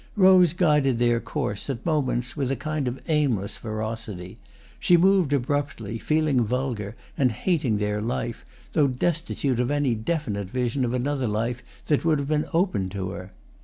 Rose guided their course, at moments, with a kind of aimless ferocity; she moved abruptly, feeling vulgar and hating their life, though destitute of any definite vision of another life that would have been open to her.